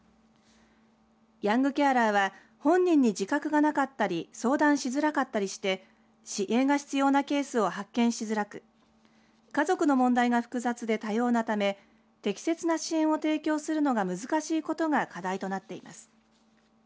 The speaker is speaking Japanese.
ヤングケアラーは本人に自覚がなかったり相談しづらかったりして支援が必要なケースを発見しづらく家族の問題が複雑で多様なため適切な支援を提供するのが難しいことが課題となっています。